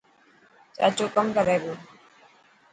چاچو ڪم ڪري پيو.